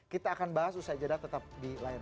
kita akan bahas usai jeda tetap di layar